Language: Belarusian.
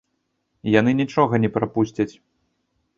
Яны нічога не прапусцяць.